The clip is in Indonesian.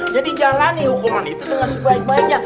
jadi jalani hukuman itu dengan sebaik baiknya